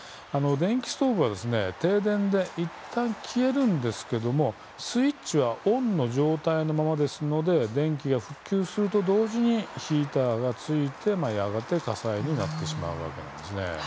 電気ストーブは停電で、いったん消えますがスイッチはオンの状態のままですので電気が復旧すると同時にヒーターがついてやがて火災になるわけです。